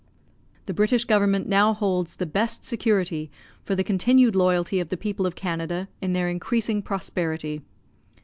The British Government now holds the best security for the continued loyalty of the people of Canada, in their increasing prosperity.